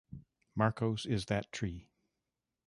Markos is that tree.